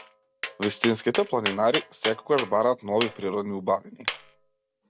Вистинските планинари секогаш бараат нови природни убавини.